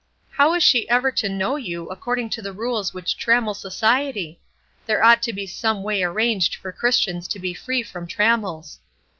"How is she ever to know you, according to the rules which trammel society? There ought to be some way arranged for Christians to be free from trammels."